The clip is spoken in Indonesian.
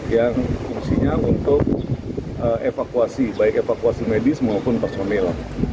yang fungsinya untuk evakuasi baik evakuasi medis maupun personel